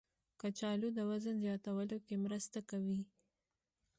کچالو د وزن زیاتولو کې مرسته کوي.